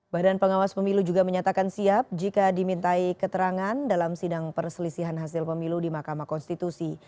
badan pengawas pemilu juga menyatakan siap jika dimintai keterangan dalam sidang perselisihan hasil pemilu di mahkamah konstitusi